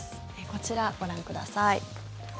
こちら、ご覧ください。